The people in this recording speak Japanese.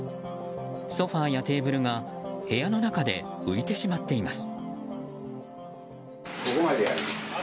ソファやテーブルが部屋の中で浮いてしまっています。